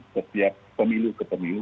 setiap pemilu ke pemilu